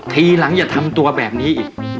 ทีหลังอย่าทำตัวแบบนี้อีก